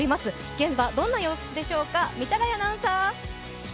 現場、どんな様子でしょうか。